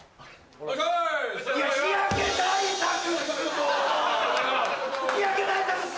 日焼け対策すご！